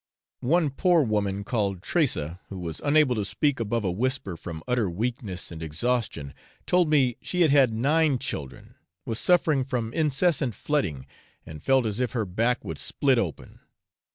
One poor woman, called Tressa, who was unable to speak above a whisper from utter weakness and exhaustion, told me she had had nine children, was suffering from incessant flooding, and felt 'as if her back would split open.'